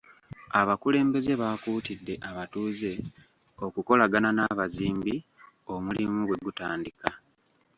Abakulembeze baakuutidde abatuuze okukolagana n'abazimbi omulimu bwe gutandika.